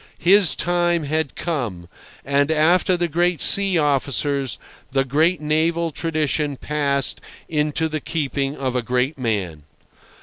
His time had come; and, after the great sea officers, the great naval tradition passed into the keeping of a great man.